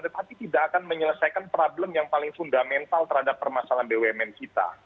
tetapi tidak akan menyelesaikan problem yang paling fundamental terhadap permasalahan bumn kita